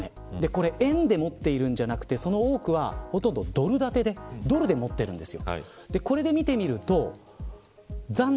これ円で持っているんじゃなくてその多くは、ほとんどドル建てでドルで持っているんです。